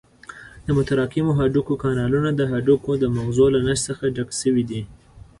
د متراکمو هډوکو کانالونه د هډوکو د مغزو له نسج څخه ډک شوي دي.